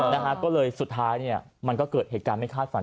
นะฮะก็เลยสุดท้ายเนี่ยมันก็เกิดเหตุการณ์ไม่คาดฝัน